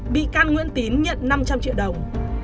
bị can nguyễn tín nhận năm trăm linh triệu đồng